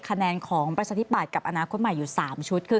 คะแนนของประชาธิบัตย์กับอนาคตใหม่อยู่๓ชุดคือ